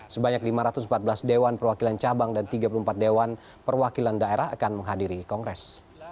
sebanyak lima ratus empat belas dewan perwakilan cabang dan tiga puluh empat dewan perwakilan daerah akan menghadiri kongres